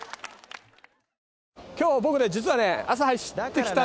今日、僕ね、実はね朝、走ってきたんですよ。